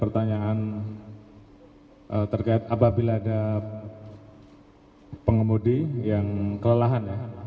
pertanyaan terkait apabila ada pengemudi yang kelelahan